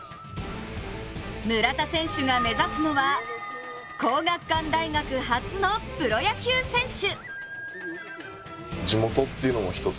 村田選手が目指すのは、皇學館大学初のプロ野球選手。